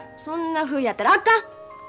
そんなふうやったらあかん！